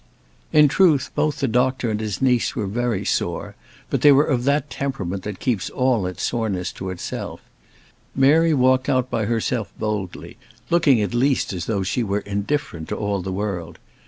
In truth, both the doctor and his niece were very sore, but they were of that temperament that keeps all its soreness to itself. Mary walked out by herself boldly, looking at least as though she were indifferent to all the world.